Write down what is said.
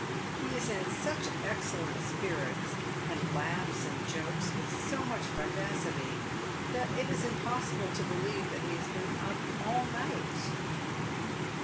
He is in such excellent spirits, and laughs and jokes with so much vivacity, that it is impossible to believe that he has been up all night.